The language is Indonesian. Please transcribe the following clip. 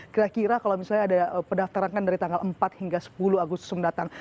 kira kira kalau misalnya ada pendaftaran kan dari tanggal empat hingga sepuluh agustus mendatang